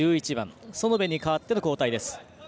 園部に代わっての交代です。